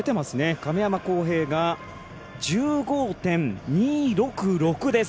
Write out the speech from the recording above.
亀山耕平が１５．２６６です。